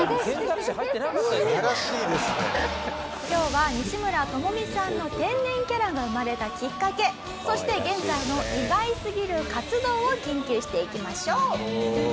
今日は西村知美さんの天然キャラが生まれたきっかけそして現在の意外すぎる活動を研究していきましょう。